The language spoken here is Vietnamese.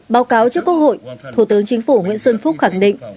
báo cáo trước quốc hội thủ tướng chính phủ nguyễn xuân phúc khẳng định